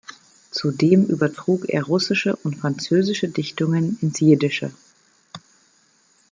Zudem übertrug er russische und französische Dichtungen ins Jiddische.